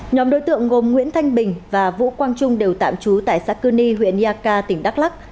nhóm đối tượng gồm nguyễn thanh bình và vũ quang trung đều tạm trú tại sát cư ni huyện yaka tỉnh đắk lắk